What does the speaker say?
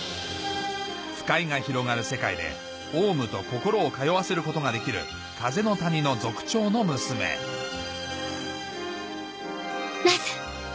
腐海が広がる世界で王蟲と心を通わせることができる風の谷の族長の娘なぜ。